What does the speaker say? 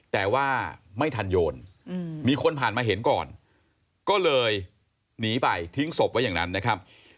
แต่ว่าไม่ทันโยนมีคนผ่านมาเห็นก่อนก็เลยหนีไปทิ้งศพไว้อย่างนั้นนะครับ